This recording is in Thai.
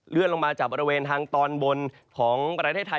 ลงมาจากบริเวณทางตอนบนของประเทศไทย